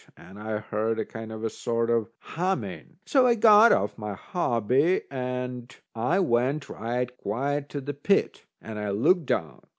And I heard a kind of a sort of humming. So I got off my hobby, and I went right quiet to the pit, and I looked down.